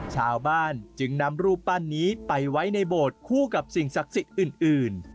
ชาวบ้านจึงนำรูปปั้นนี้ไปไว้ในโบสถ์คู่กับสิ่งศักดิ์สิทธิ์อื่น